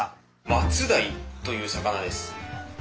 マツダイという魚です。